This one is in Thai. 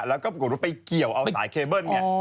แล้วก็ปรากฏว่าไปเกี่ยวเอาสายเคเบิ้ลเนี่ย